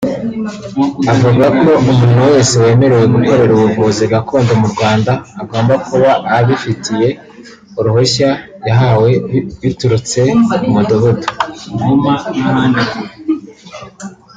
avuga ko umuntu wese wemerewe gukorera ubuvuzi gakondo mu Rwanda agomba kuba abifitiye uruhushya yahawe biturutse ku mudugudu